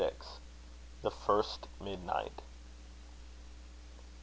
THE FIRST MIDNIGHT.